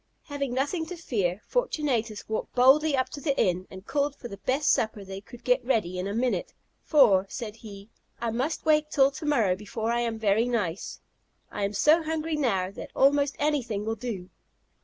Having nothing to fear, Fortunatus walked boldly up to the inn, and called for the best supper they could get ready in a minute; "For," said he, "I must wait till to morrow before I am very nice. I am so hungry now, that almost anything will do."